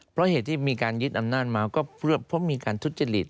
เพราะเหตุที่มีการยึดอำนาจมาก็เพื่อมีการทุจริต